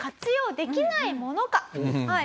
はい。